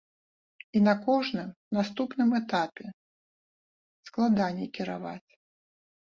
І на кожным наступным этапе складаней кіраваць.